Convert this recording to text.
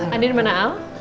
andi dimana al